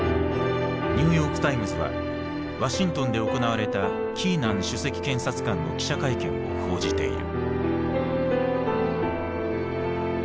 ニューヨークタイムズはワシントンで行われたキーナン首席検察官の記者会見を報じている。